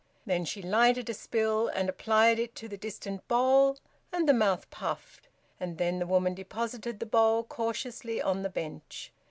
Then she lighted a spill and applied it to the distant bowl, and the mouth puffed; and then the woman deposited the bowl cautiously on the bench.